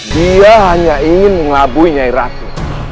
dia hanya ingin mengelabui nyai ratu